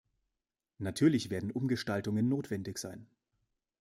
Natürlich werden Umgestaltungen notwendig sein.